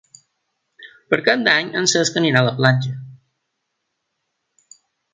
Per Cap d'Any en Cesc anirà a la platja.